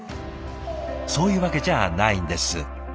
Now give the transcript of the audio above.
そういうわけじゃあないんです。